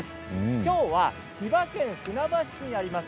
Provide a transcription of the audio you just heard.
今日は千葉県船橋市にあります